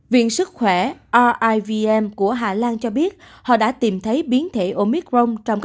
viện sức khỏe rivm của hà lan cho biết họ đã tìm thấy biến thể omicron